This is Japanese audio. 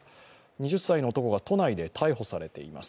２０歳の男が都内で逮捕されています。